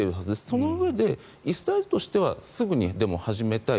そのうえでイスラエルとしてはすぐにでも始めたい。